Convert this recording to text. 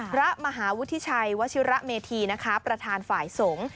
พระมหาวุฒิชัยวชิระเมธีนะคะประธานฝ่ายสงฆ์